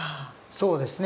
そうですね。